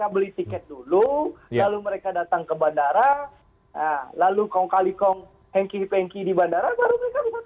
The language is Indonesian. beli tiket dulu lalu mereka datang ke bandara lalu kong kali kong hengki pengki di bandara baru mereka rumput